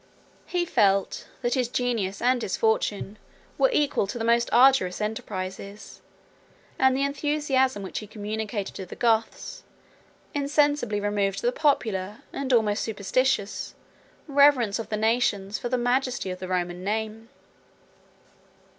He felt, that his genius and his fortune were equal to the most arduous enterprises; and the enthusiasm which he communicated to the Goths, insensibly removed the popular, and almost superstitious, reverence of the nations for the majesty of the Roman name.